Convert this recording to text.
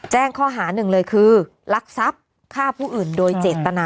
แจ้งข้อหาหนึ่งเลยคือลักทรัพย์ฆ่าผู้อื่นโดยเจตนา